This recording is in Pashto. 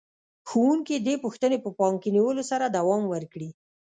ښوونکي دې پوښتنې په پام کې نیولو سره دوام ورکړي.